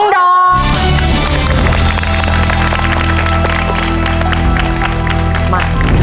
ดอก